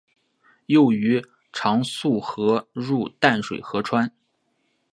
幼鱼常溯河入淡水河川。